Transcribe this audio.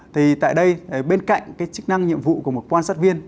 thì tại đây bên cạnh cái chức năng nhiệm vụ của một quan sát viên